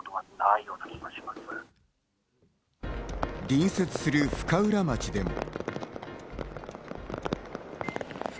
隣接する深浦町でも。